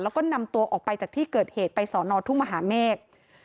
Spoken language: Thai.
แล้วก็นำตัวออกไปจากที่เกิดเหตุไปสอนอทุ่งมหาเมฆ